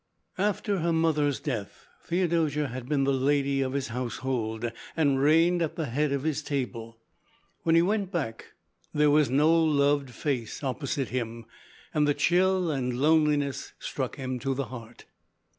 After her mother's death, Theodosia had been the lady of his household and reigned at the head of his table. When he went back there was no loved face opposite him, and the chill and loneliness struck him to the heart.